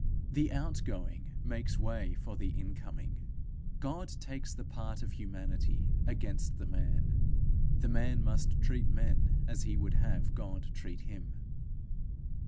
The outgoing makes way for the incoming. God takes the part of humanity against the man. The man must treat men as he would have God treat him.